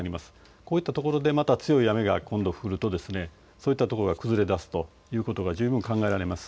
こういったところでまた強い雨が今度降ると、そういったところが崩れだすということが十分考えられます。